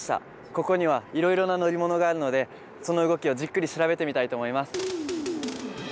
ここにはいろいろな乗り物があるのでその動きをじっくり調べてみたいと思います。